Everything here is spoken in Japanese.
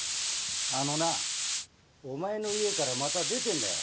あのなお前の家からまた出てんだよ。